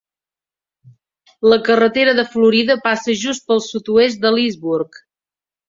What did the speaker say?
La carretera de Florida passa just pel sud-oest de Leesburg.